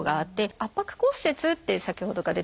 圧迫骨折って先ほどから出てます